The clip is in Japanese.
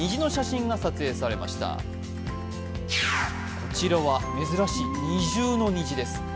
こちらは珍しい二重の虹です。